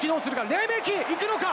レメキ、いくのか？